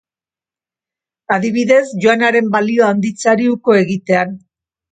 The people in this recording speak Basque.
Adibidez, yuanaren balioa handitzeari uko egitean.